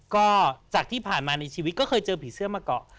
ก็จากที่ผ่านมาในชีวิตก็เคยเจอผีเสื้อมาก่อน